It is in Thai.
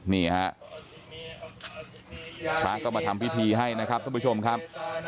นี่ฮะพระก็มาทำพิธีให้นะครับท่านผู้ชมครับ